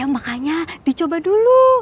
makanya dicoba dulu